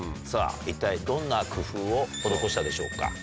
さぁ一体どんな工夫を施したでしょうか？